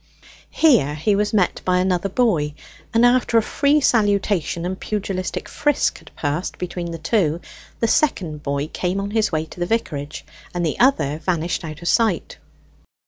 Here he was met by another boy, and after a free salutation and pugilistic frisk had passed between the two, the second boy came on his way to the vicarage, and the other vanished out of sight.